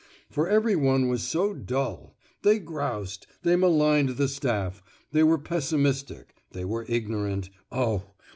For every one was so dull! They groused, they maligned the Staff, they were pessimistic, they were ignorant, oh!